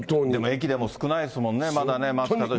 駅でも少ないですもんね、まだね。